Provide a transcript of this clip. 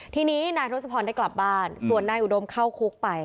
ทีนี้นายทศพรได้กลับบ้านส่วนนายอุดมเข้าคุกไป